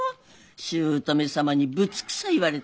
姑様にぶつくさ言われて。